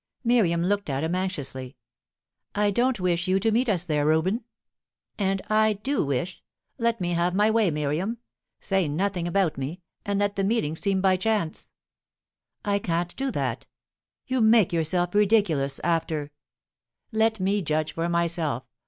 Miriam looked at him anxiously. "I don't wish you to meet us there, Reuben." "And I do wish! Let me have my way, Miriam. Say nothing about me, and let the meeting seem by chance." "I can't do that. You make yourself ridiculous, after " "Let me judge for myself.